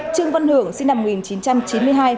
trương văn hưởng sinh năm một nghìn chín trăm chín mươi hai